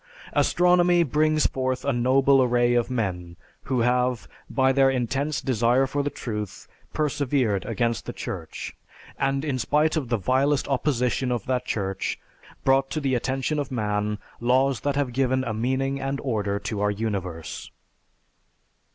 Astronomy brings forth a noble array of men who have, by their intense desire for the truth, persevered against the Church, and in spite of the vilest opposition of that Church, brought to the attention of man laws that have given a meaning and order to our universe.